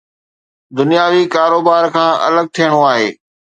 دنياوي ڪاروبار کان الڳ ٿيڻو آهي